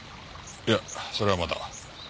いやそれはまだ。